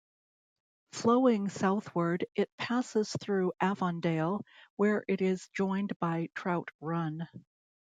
Flowing southward, it passes through Avondale, where it is joined by Trout Run.